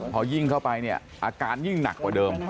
พอยิ่งเข้าไปเนี่ยอาการยิ่งหนักกว่าเดิม